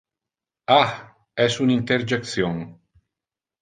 'Ah' es un interjection.